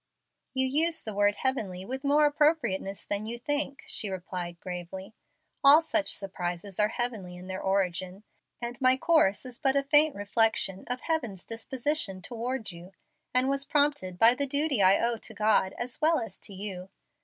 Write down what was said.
"You use the word 'heavenly' with more appropriateness than you think," she replied, gravely. "All such surprises are heavenly in their origin, and my course is but a faint reflection of Heaven's disposition toward you, and was prompted by the duty I owe to God as well as to you.